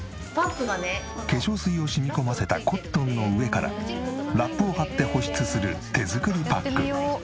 化粧水を染み込ませたコットンの上からラップを貼って保湿する手作りパック。